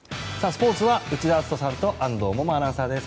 スポーツは内田篤人さんと安藤萌々アナウンサーです。